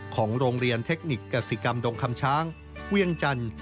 ของโรงเรียนเทคนิคกษิกรรมดงคำช้างเวียงจันทร์